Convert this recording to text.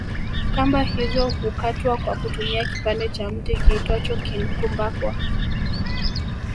Kamba hizo hukatwa kwa kutumia kipande cha mti kiitwacho kinkumbakwa